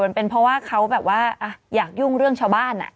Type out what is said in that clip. มันเป็นเพราะว่าเขาอยากยุ่งเรื่องชาวบ้าน